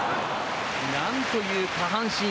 なんという下半身。